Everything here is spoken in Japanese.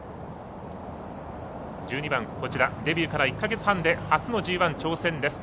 １２番デビューから１か月半で初のＧＩ挑戦です。